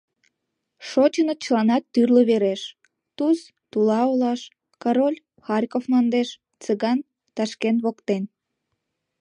Шочыныт чыланат тӱрлӧ вереш: Туз — Тула олаш, Король — Харьков мландеш, Цыган — Ташкент воктен.